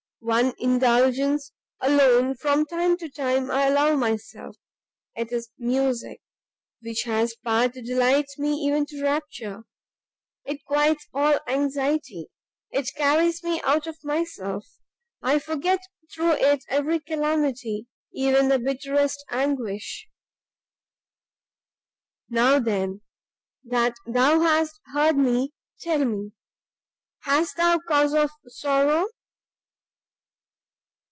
"One indulgence alone from time to time I allow myself, 'tis Music! which has power to delight me even to rapture! it quiets all anxiety, it carries me out of myself, I forget through it every calamity, even the bitterest anguish. "Now then, that thou hast heard me, tell me, hast thou cause of sorrow?"